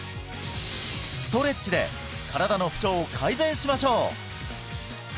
ストレッチで身体の不調を改善しましょうさあ